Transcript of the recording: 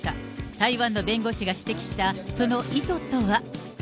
台湾の弁護士が指摘したその意図とは。